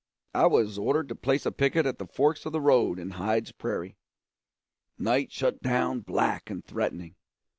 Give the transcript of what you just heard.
I was ordered to place a picket at the forks of the road in Hyde's prairie. Night shut down black and threatening.